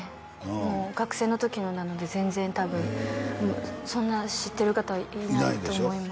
もう学生の時のなので全然多分そんな知ってる方はいないと思います